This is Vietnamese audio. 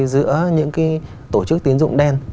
giữa những cái tổ chức tín dụng đen